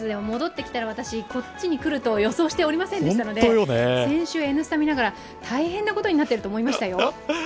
戻ってきたら私、こっちに来ると予想しておりませんでしたので先週、「Ｎスタ」見ながら、大変なことになってると思いましたよ。